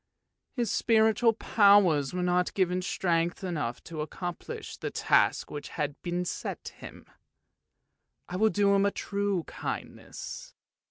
His spiritual powers were not given strength enough to accomplish the task which had been set him. I will do him a true kindness!